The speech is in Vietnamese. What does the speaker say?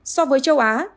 so với châu á